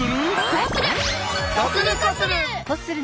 どうする？